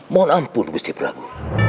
mohon ampun gusti prabu